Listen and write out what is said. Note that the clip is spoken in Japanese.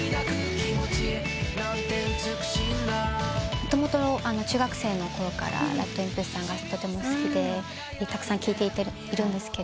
もともと中学生のころからＲＡＤＷＩＭＰＳさんがとても好きでたくさん聴いているんですけど。